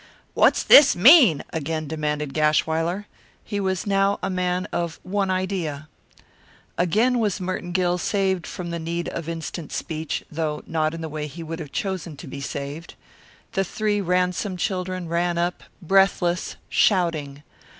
"What's this mean?" again demanded Gashwiler. He was now a man of one idea. Again was Merton Gill saved from the need of instant speech, though not in a way he would have chosen to be saved. The three Ransom children ran up, breathless, shouting.